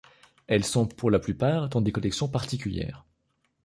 Elles sont pour la plupart dans des collections particulières.